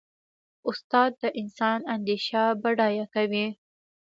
استاد د انسان اندیشه بډایه کوي.